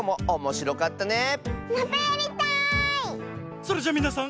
それじゃみなさん